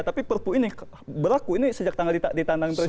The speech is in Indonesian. tapi perpu ini berlaku ini sejak tanggal ditandangin presiden